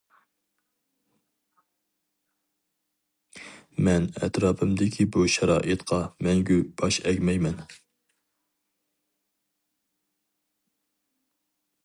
مەن ئەتراپىمدىكى بۇ شارائىتقا مەڭگۈ باش ئەگمەيمەن!